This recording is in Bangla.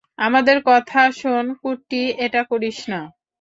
আমাদের কথা শোন কুট্টি এটা করিস না।